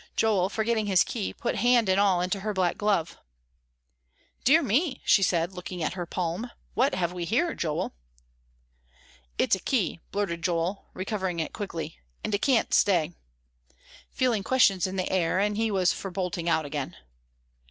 Joel, forgetting his key, put hand and all into her black glove. "Dear me," she said, looking at her palm, "what have we here, Joel?" "It's a key," blurted Joel, recovering it quickly, "and I can't stay," feeling questions in the air, and he was for bolting out again.